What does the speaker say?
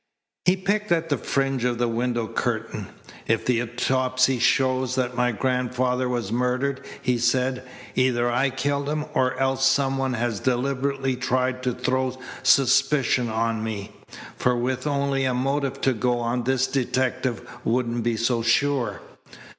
He picked at the fringe of the window curtain. "If the autopsy shows that my grandfather was murdered," he said, "either I killed him, or else some one has deliberately tried to throw suspicion on me, for with only a motive to go on this detective wouldn't be so sure.